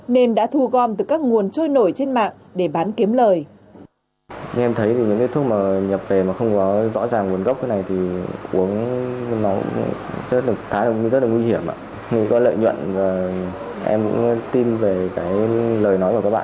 nên đã thu gom từ các nguồn trôi nổi trên mạng để bán kiếm lời